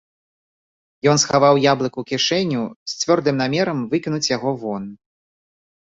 Ён схаваў яблык у кішэню з цвёрдым намерам выкінуць яго вон.